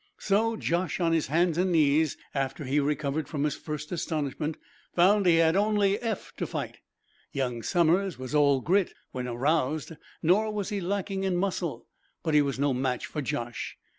So Josh, on his hands and knees, after he recovered from his first astonishment, found he had only Eph to fight. Young Somers was all grit when aroused, nor was he lacking in muscle. But he was no match for Josh.